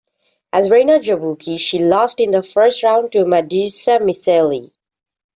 As Reina Jabuki, she lost in the first round to Madusa Miceli.